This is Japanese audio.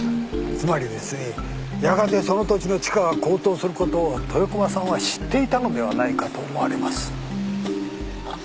つまりですねやがてその土地の地価が高騰することを豊駒さんは知っていたのではないかと思われます。